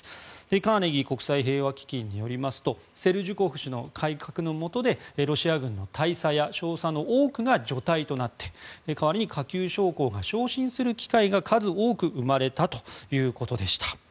カーネギー国際平和基金によりますとセルジュコフ氏の改革のもとでロシア軍の大佐や少佐の多くが除隊となって代わりに下級将校が昇進する機会が数多く生まれたということでした。